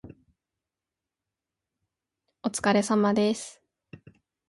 お疲れ様です。